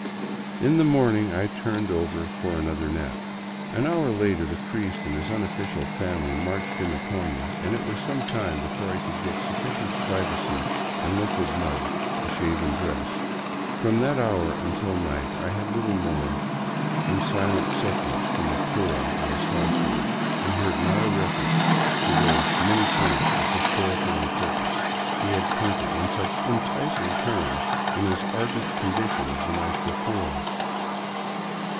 In the morning I turned over for another nap. An hour later the priest and his unofficial family marched in upon me, and it was some time before I could get sufficient privacy and liquid mud to shave and dress. From that hour until night I had little more than silent suff ranee from the cura and his household, and heard not a reference to those " many points of historical importance " he had painted in such enticing terms in his ardent condition of the night before.